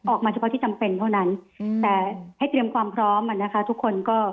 ออกมาเฉพาะที่จำเป็นเท่านั้นแต่ให้เตรียมความพร้อมอ่ะนะคะทุกคนก็